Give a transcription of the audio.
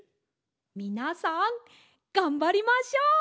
みなさんがんばりましょう！